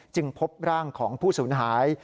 พบร่างของผู้สูญหาย